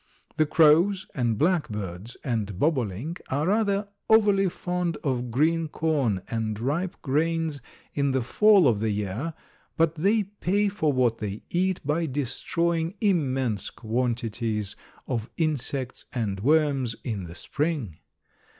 The crows and blackbirds and bobolink are rather overly fond of green corn and ripe grains in the fall of the year, but they pay for what they eat by destroying immense quantities of insects and worms in the spring.